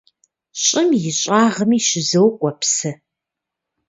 ЩӀым и щӀагъми щызокӀуэ псы.